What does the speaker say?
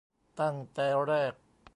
ตั้งแต่แรก